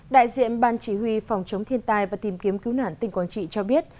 đại diện ban chỉ huy phòng chống thiên tai và tìm kiếm cứu nản tỉnh quang trị cho biết